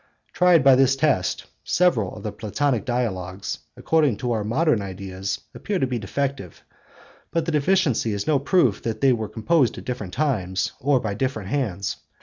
Tried by this test, several of the Platonic Dialogues, according to our modern ideas, appear to be defective, but the deficiency is no proof that they were composed at different times or by different hands.